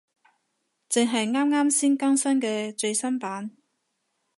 正係啱啱先更新嘅最新版